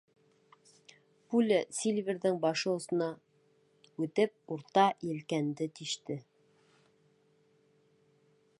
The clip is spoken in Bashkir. Пуля, Сильверҙың баш осонан үтеп, урта елкәнде тиште.